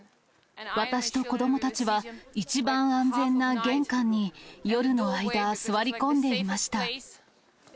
私と子どもたちは一番安全な玄関に、夜の間、座り込んでいました。